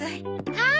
はい。